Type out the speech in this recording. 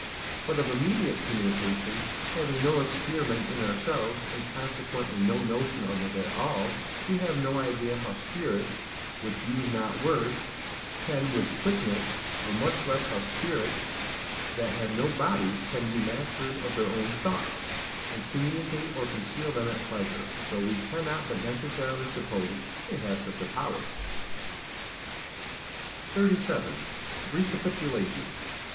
But of immediate communication having no experiment in ourselves, and consequently no notion of it at all, we have no idea how spirits, which use not words, can with quickness; or much less how spirits that have no bodies can be masters of their own thoughts, and communicate or conceal them at pleasure, though we cannot but necessarily suppose they have such a power. 37. Recapitulation.